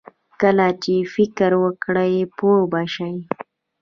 کله چې فکر وکړې، پوه به شې!